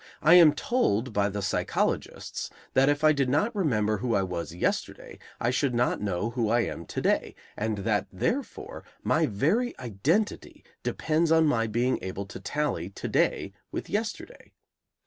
I am told by the psychologists that if I did not remember who I was yesterday, I should not know who I am to day, and that, therefore, my very identity depends upon my being able to tally to day with yesterday.